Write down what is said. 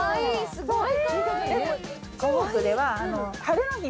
すごーい！